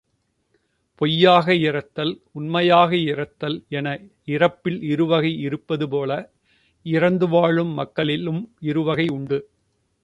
பொய்யாக இரத்தல், உண்மையாக இரத்தல் என இரப்பில் இருவகை இருப்பது போல, இரந்து வாழும் மக்களிலும் இருவகை உண்டு.